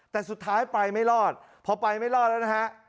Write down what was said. แต่สุดท้ายไปไม่รอดพอไปไม่รอดแล้วนะฮะ